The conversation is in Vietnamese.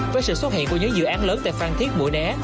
với sự xuất hiện của những dự án lớn tại phan thiết mũi né